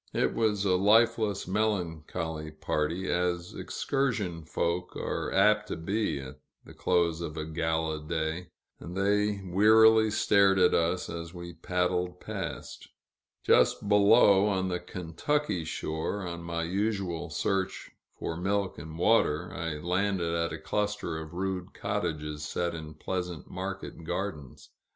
It was a lifeless, melancholy party, as excursion folk are apt to be at the close of a gala day, and they wearily stared at us as we paddled past. Just below, on the Kentucky shore, on my usual search for milk and water, I landed at a cluster of rude cottages set in pleasant market gardens.